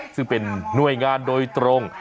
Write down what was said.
ซึ่งเป็นหน่วยงานโดยตรง